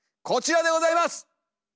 こちらでございます！